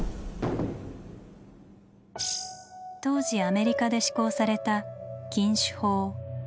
当時アメリカで施行された「禁酒法」。